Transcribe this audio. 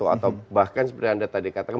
atau bahkan seperti anda tadi katakan